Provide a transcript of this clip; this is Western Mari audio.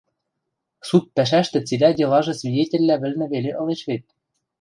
Суд пӓшӓштӹ цилӓ делажы свидетельвлӓ вӹлнӹ веле ылеш вет.